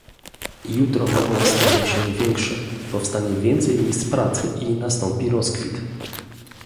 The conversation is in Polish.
Jutro małe stanie się większe, powstanie więcej miejsc pracy i nastąpi rozkwit